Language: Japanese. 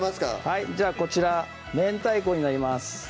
はいじゃあこちら明太子になります